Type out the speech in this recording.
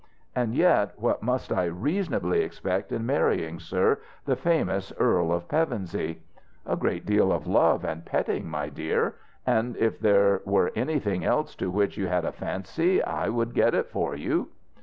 And yet, what must I reasonably expect in marrying, sir, the famous Earl of Pevensey?" "A great deal of love and petting, my dear. And if there were anything else to which you had a fancy, I would get it for you."